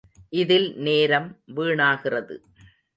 இதில் நேரம் வீணாகிறது.